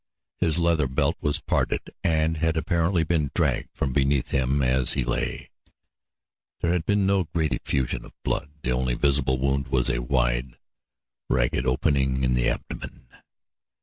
His leather belt was parted and had apparently been dragged from beneath him as he lay. There had been no great effusion of blood. The only visible wound was a wide, ragged opening in the abdomen.